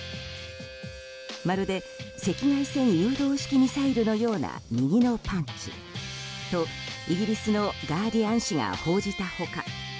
まるで赤外線誘導式ミサイルのような右のパンチとイギリスのガーディアン紙が報じた他